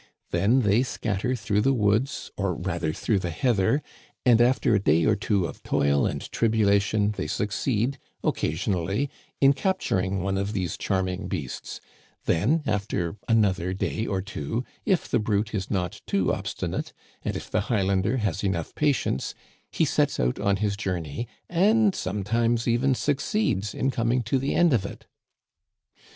Then they scatter through the woods, or rather through the heather, and after a day or two of toil and tribulation they succeed, occasionally, in capt uring one of these charming beasts ; then, after another day or two, if the brute is not too obstinate, and if the Highlander has enough patience, he sets out on his journey, and sometimes even succeeds in coming to the end of it."